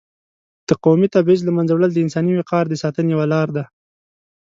د قومي تبعیض له منځه وړل د انساني وقار د ساتنې یوه لار ده.